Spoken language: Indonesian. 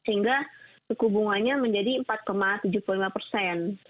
sehingga suku bunganya menjadi empat tujuh puluh lima persen